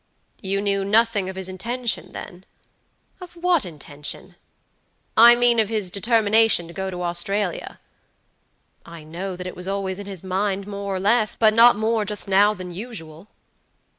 "You knew nothing of his intention, then?" "Of what intention?" "I mean of his determination to go to Australia." "I know that it was always in his mind more or less, but not more just now than usual."